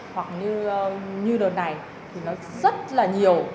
hoặc như đợt này thì nó rất là nhiều